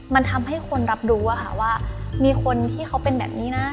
มันทำให้คนรับรู้ว่ามีคนที่เขาเป็นแบบนี้นะ